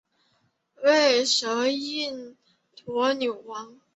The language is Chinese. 为金印驼纽王。